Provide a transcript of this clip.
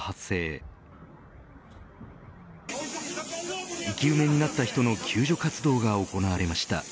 生き埋めになった人の救助活動が行われました。